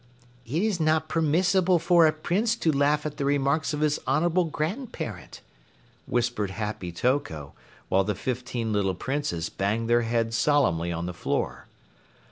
"It is not permissible for a Prince to laugh at the remarks of his honorable grandparent," whispered Happy Toko, while the fifteen little Princes banged their heads solemnly on the floor.